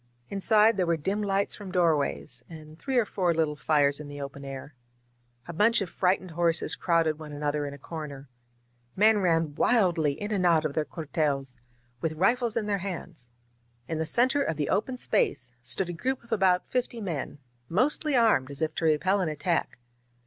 Inside, there were dim lights from doorways, and three or four little fires in the open air. A bimch of 71 INSURGENT MEXICO frightened horses crowded one another in a comer. Men ran wildly in and out of their cuartels, with rifles in their hands. In the center of the open space stood a group of about fifty men, mostly armed, as if to repel an attack.